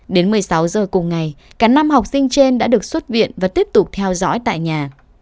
đến một mươi sáu giờ cùng ngày cả năm học sinh trên đã được xuất viện và tiếp tục theo dõi tại nhà